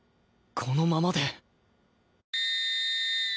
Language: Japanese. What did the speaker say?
このままで